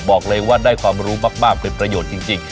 บอกเลยว่าได้ความรู้มากเป็นประโยชน์จริง